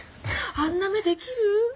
あんな目できる？